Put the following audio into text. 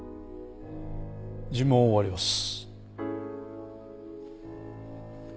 尋問を終わります。